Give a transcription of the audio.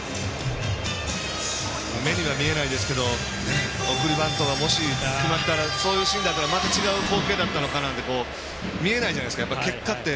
目には見えないですけど送りバントがもし決まっていたらそういうシーンだったらまた違う光景だったのかなって。